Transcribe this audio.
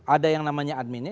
ada yang namanya adminnya